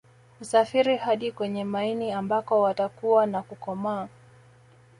Husafiri hadi kwenye maini ambako watakua na kukomaa